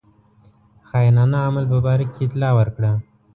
خاینانه عمل په باره کې اطلاع ورکړه.